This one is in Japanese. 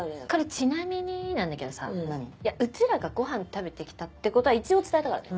ちなみにだけどうちらがごはん食べてきたってことは一応伝えたからね。